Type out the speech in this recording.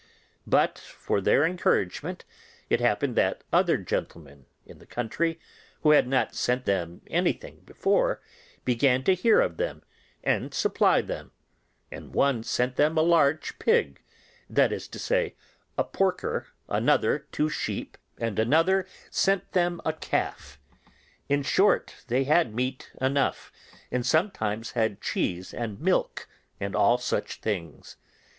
But, for their encouragement, it happened that other gentlemen in the country who had not sent them anything before, began to hear of them and supply them, and one sent them a large pig—that is to say, a porker—another two sheep, and another sent them a calf. In short, they had meat enough, and sometimes had cheese and milk, and all such things.